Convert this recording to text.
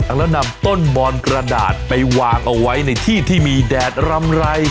แล้วนำต้นมอนกระดาษไปวางเอาไว้ในที่ที่มีแดดรำไร